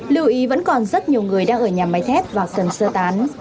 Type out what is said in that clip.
lưu ý vẫn còn rất nhiều người đang ở nhà máy thép và cần sơ tán